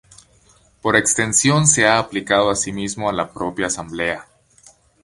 Por extensión se ha aplicado asimismo a la propia asamblea.